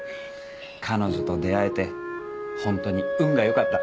彼女と出会えて本当に運が良かった。